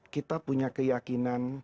kita punya keyakinan